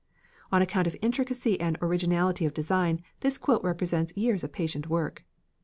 On account of intricacy and originality of design this quilt represents years of patient work.